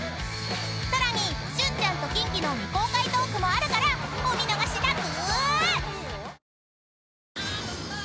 ［さらに旬ちゃんとキンキの未公開トークもあるからお見逃しなく！］